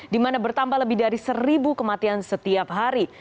dimana bertambah lebih dari seribu kematian setiap hari